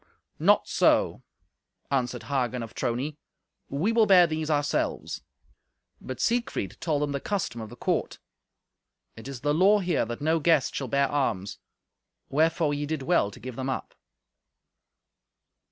"Not so," answered Hagen of Trony; "we will bear these ourselves." But Siegfried told them the custom of the court. "It is the law here that no guest shall bear arms. Wherefore ye did well to give them up."